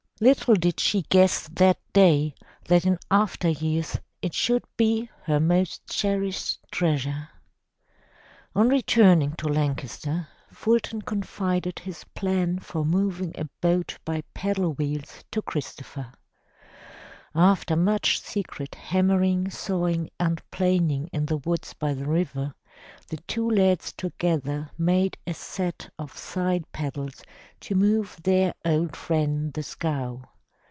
Little did she guess that day that in after years it should be her most cherished treasure. 400 THE TREASURE CHEST On returning to Lancaster, Fulton confided his plan for mov ing a boat by paddle wheels to Christopher. After much secret hammering, sawing and planing in the woods by the river, the two lads together made a set of side paddles to move their old friend, the scow.